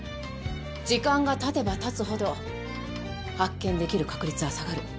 時間がたてばたつほど発見できる確率は下がる。